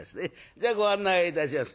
じゃあご案内をいたします。